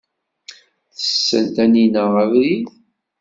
Tessen Taninna abrid?